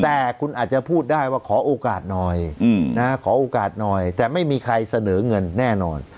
แต่คุณอาจจะพูดได้ว่าขอโอกาสหน่อยขอโอกาสหน่อยแต่ไม่มีใครเสนอเงินแน่นอน